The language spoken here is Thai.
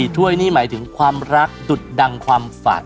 ถ้วยนี่หมายถึงความรักดุดดังความฝัน